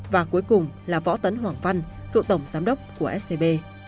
và cuối cùng là võ tấn hoàng văn cựu tổng giám đốc của scb